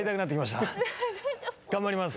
頑張ります。